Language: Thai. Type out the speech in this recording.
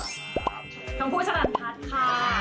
คุณผู้ชนันทัศน์ค่ะ